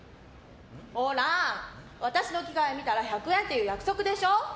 ほら、私の着替え見たら１００円って約束でしょ。